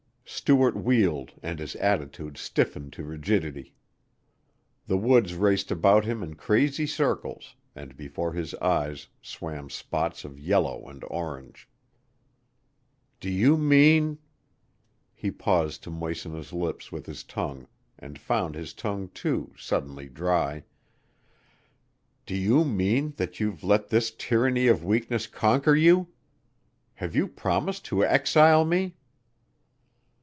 Stuart wheeled and his attitude stiffened to rigidity. The woods raced about him in crazy circles, and before his eyes swam spots of yellow and orange. "Do you mean " he paused to moisten his lips with his tongue and found his tongue, too, suddenly dry "do you mean that you've let this tyranny of weakness conquer you? Have you promised to exile me?"